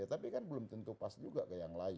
tapi kan belum tentu pas juga ke yang lain